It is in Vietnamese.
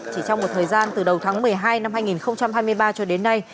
chỉ trong một thời gian từ đầu tháng một mươi hai năm hai nghìn hai mươi ba cho đến nay